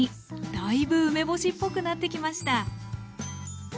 だいぶ梅干しっぽくなってきました